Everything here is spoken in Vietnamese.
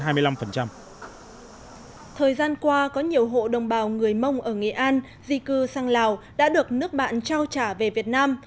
thời gian qua có nhiều hộ đồng bào người mông ở nghệ an di cư sang lào đã được nước bạn trao trả về việt nam